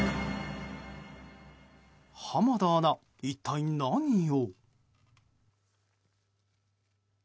濱田アナ、一体何を？